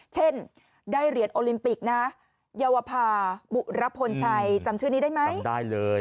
เช่นได้เหรียญโอลิมปิกนะเยาวภาบุรพลชัยจำชื่อนี้ได้ไหมจำได้เลย